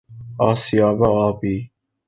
آسیاب آبی